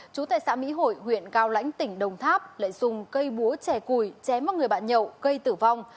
chú tại xã mỹ hội huyện cao lãnh tỉnh đồng tháp lại dùng cây búa chè cùi chém vào người bạn nhậu gây tử vong